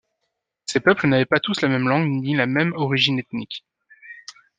Ces peuples n'avaient pas tous la même langue ni la même origine ethnique.